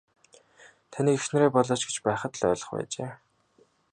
Таныг эхнэрээ болооч гэж байхад л ойлгох байжээ.